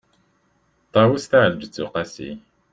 ṭawes taεelǧeţ uqasi